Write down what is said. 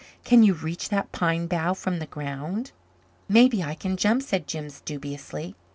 Can you reach that pine bough from the ground?" "Maybe I can jump," said Jims dubiously.